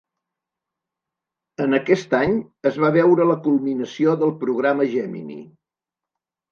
En aquest any es va veure la culminació del programa Gemini.